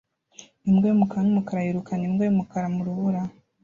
Imbwa yumukara numukara yirukana imbwa yumukara mu rubura